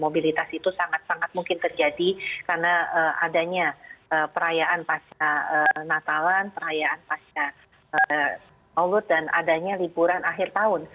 mobilitas itu sangat sangat mungkin terjadi karena adanya perayaan pasca natalan perayaan pasca maulud dan adanya liburan akhir tahun